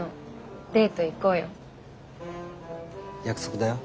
約束だよ。